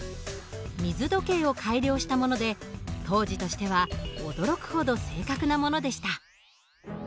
水時計を改良したもので当時としては驚くほど正確なものでした。